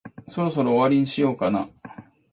そろそろ終わりにしようかな。